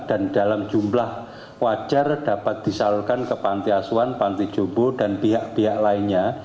dan dalam jumlah wajar dapat disalurkan ke pantiasuan pantijobo dan pihak pihak lainnya